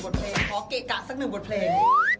ตั้งหนึ่งบทเพลง